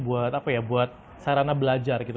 buat apa ya buat sarana belajar gitu